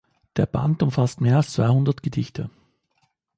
Der Band umfasst mehr als zweihundert Gedichte.